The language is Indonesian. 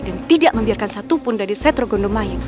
dan tidak membiarkan satupun dari setrogondomayu